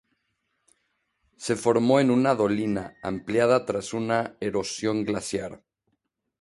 Se formó en una dolina ampliada tras una erosión glaciar.